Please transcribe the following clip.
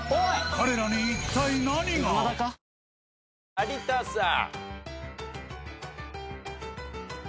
有田さん。